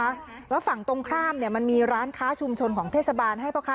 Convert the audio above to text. หรือเปล่าว่าล็อคเป็นช่าของหรือเปล่าคะ